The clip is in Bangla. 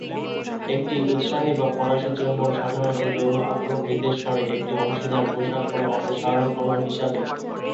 একটি উৎসাহী বা ফরাসি চুম্বন সাধারণত যৌন আগ্রহ নির্দেশ করে, একটি অংশীদার পোশাক কোন অপসারণ কোন হিসাবে।